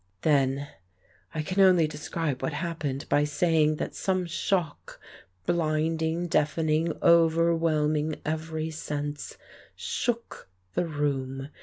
Then ... I can only describe what happened by saying that some shock, blinding, deafening, over whelming every sense, shook the room.